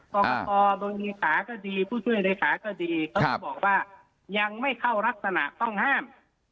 กรกตบริษัทก็ดีผู้ช่วยรายศาสตร์ก็ดีเค้าบอกว่ายังไม่เข้ารักษณะต้องห้าม